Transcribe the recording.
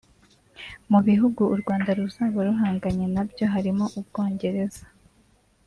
Mu bihugu u Rwanda ruzaba ruhanganye nabyo harimo; u Bwongereza